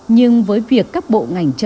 nhưng với việc các bộ ngành chậm trễ